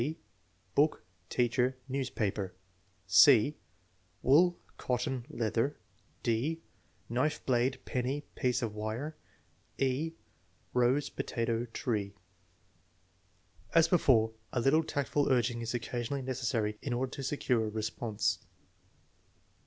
(1) Boole, teacher, newspaper. (c) Wool, cotton, leather. (d) Knife blade, penny, piece of wire. (e) Rose, potato, tree. As before, a little tactful urging is occasionally neces sary in order to secure a response.